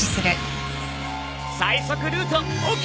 最速ルートＯＫ！